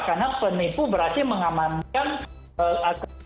karena penipu berhasil mengamankan akun whatsapp